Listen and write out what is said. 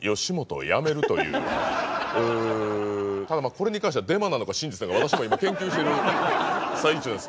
ただこれに関してはデマなのか真実なのか私も今研究してる最中なんです。